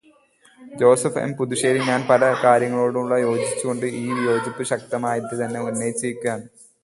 Joseph M Puthussery ഞാൻ പറഞ്ഞ പല കാര്യങ്ങളോടും യോജിച്ചുകൊണ്ട് ഈ വിയോജിപ്പ് ശക്തമായിത്തന്നെ ഉന്നയിച്ചിരിക്കുകയാണ്.